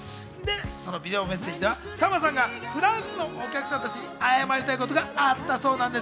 ビデオメッセージではさんまさんがフランスのお客さんたちに謝りたいことがあったそうです。